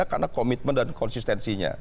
karena komitmen dan konsistensinya